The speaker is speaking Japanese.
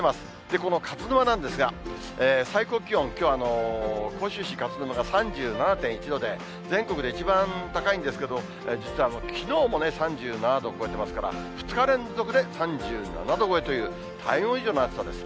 この勝沼なんですが、最高気温、きょうは甲州市勝沼が３７．１度で、全国で一番高いんですけど、実はきのうもね、３７度を超えてますから、２日連続で３７度超えという、体温以上の暑さです。